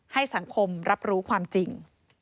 ให้สังคมรับรู้ความจริง